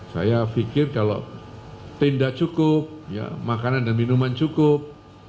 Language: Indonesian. saya pikir kalau tenda cukup makanan dan minuman cukup